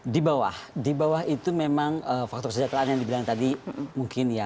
di bawah di bawah itu memang faktor kesejahteraan yang dibilang tadi mungkin ya